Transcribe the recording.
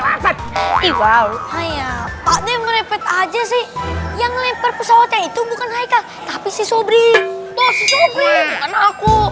banget iya pakde merepet aja sih yang lempar pesawat yaitu bukan hai kak tapi si sobri aku